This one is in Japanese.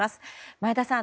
前田さん